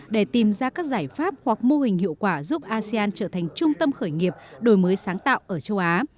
để tìm ra các giải pháp hoặc mô hình hiệu quả giúp asean trở thành trung tâm khởi nghiệp đổi mới sáng tạo ở châu á